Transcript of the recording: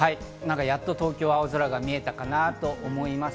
やっと東京は青空が見えたかなと思います。